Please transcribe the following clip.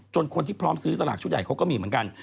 คนที่พร้อมซื้อสลากชุดใหญ่เขาก็มีเหมือนกัน